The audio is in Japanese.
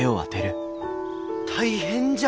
大変じゃ！